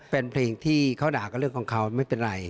เป็นเพลงที่เขาด่าก็เรื่องของเขาไม่เป็นไร